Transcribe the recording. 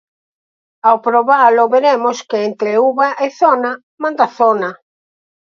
Ao probalo veremos que entre uva e zona, manda a zona.